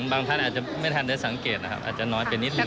บางท่านอาจจะไม่ทันได้สังเกตอาจจะน้อยไปนิดหนึ่ง